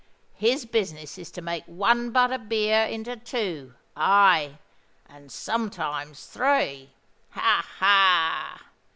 His business is to make one butt of beer into two—aye, and sometimes three. Ha! ha!